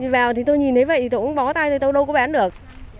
vào thì tôi nhìn thấy vậy thì tôi cũng bó tay thì tôi đâu có bán được